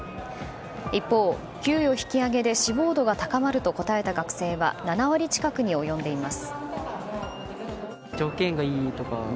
一方、給与引き上げで志望度が高まると答えた学生は７割近くに及んでいます。